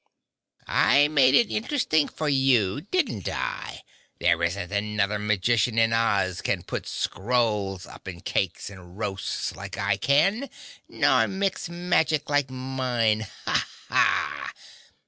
I made it interesting for you, didn't I? There isn't another magician in Oz can put scrolls up in cakes and roasts like I can nor mix magic like mine. Ha! Ha!"